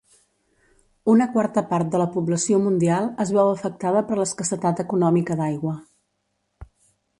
Una quarta part de la població mundial es veu afectada per l'escassetat econòmica d'aigua.